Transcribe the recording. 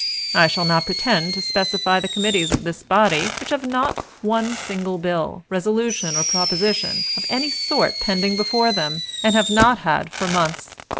I shall not pretend to specify the committees of this body which have not one single bill, resolution, or proposition of any sort pending before them, and have not had for months.